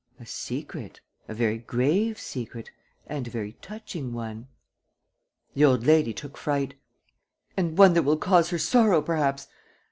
"A secret ... a very grave secret ... and a very touching one. ..." The old lady took fright: "And one that will cause her sorrow, perhaps?